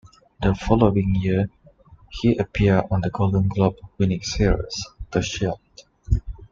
The following year, he appeared on the Golden Globe winning series, "The Shield".